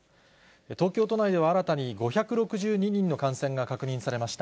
東京都内では新たに５６２人の感染が確認されました。